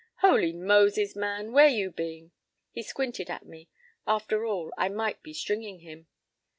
p> "Holy Moses! man. Where you been?" He squinted at me. After all, I might be "stringing him."